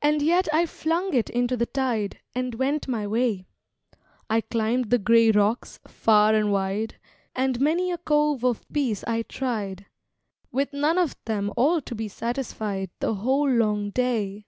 And yet I flung it into the tide, And went my way. I climbed the gray rocks, far and wide, And many a cove of peace I tried, With none of them all to be satisfied, The whole long day.